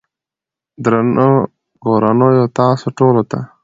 درنو کورنيو تاسو ټولو ته